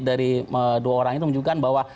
dari dua orang itu menunjukkan bahwa